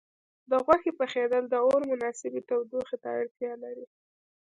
د غوښې پخېدل د اور مناسبې تودوخې ته اړتیا لري.